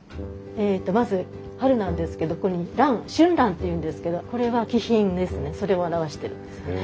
えっとまず春なんですけどここに蘭春蘭っていうんですけどこれは気品ですねそれを表してるんですよね。